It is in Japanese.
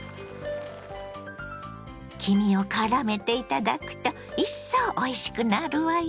黄身をからめていただくと一層おいしくなるわよ。